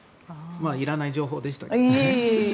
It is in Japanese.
いらない情報でしたね。